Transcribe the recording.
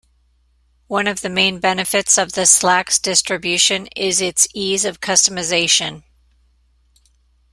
One of the main benefits of the Slax distribution is its ease of customization.